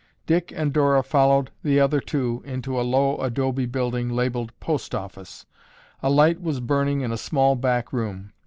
Dick and Dora followed the other two into a low adobe building labeled "Post Office." A light was burning in a small back room.